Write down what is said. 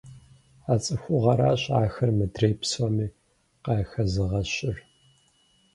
А цӀыхугъэращ ахэр мыдрей псоми къахэзыгъэщыр.